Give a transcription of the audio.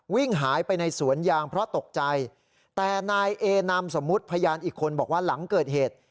วิ่งหายไปในสวนยางเพราะตกใจแต่นายเอนามสมมุติพยานอีกคนบอกว่าหลังเกิดเหตุ